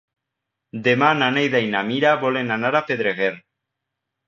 Demà na Neida i na Mira volen anar a Pedreguer.